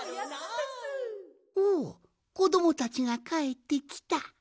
おおこどもたちがかえってきた。